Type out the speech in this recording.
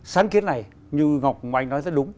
sáng kiến này như ngọc anh nói rất đúng